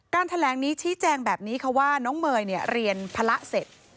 แถลงนี้ชี้แจงแบบนี้ค่ะว่าน้องเมย์เรียนภาระเสร็จ